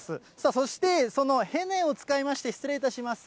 そしてそのヘネを使いまして、失礼いたします。